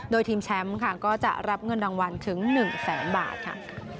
โดยทีมแชมป์ค่ะก็จะรับเงินรางวัลถึง๑แสนบาทค่ะ